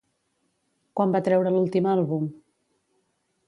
Quan va treure l'últim àlbum?